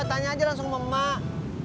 tanya aja langsung sama emak